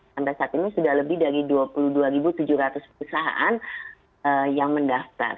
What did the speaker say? sampai saat ini sudah lebih dari dua puluh dua tujuh ratus perusahaan yang mendaftar